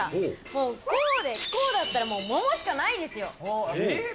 もう、こうでこうだったら、もう桃しかないですよ。